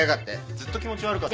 ずっと気持ち悪かった。